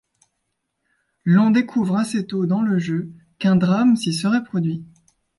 L'on découvre assez tôt dans le jeu qu'un drame s'y serait produit.